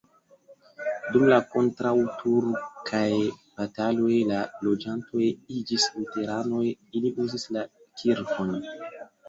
Dum la kontraŭturkaj bataloj la loĝantoj iĝis luteranoj, ili uzis la kirkon.